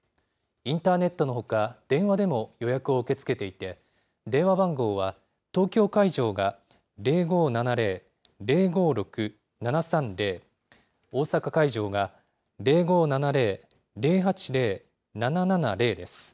インターネットのほか、電話でも予約を受け付けていて、電話番号は、東京会場が０５７０ー０５６ー７３０、大阪会場が０５７０―０８０ー７７０です。